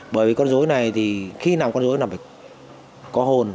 bởi vì con dối này thì khi nào con dối là phải có hồn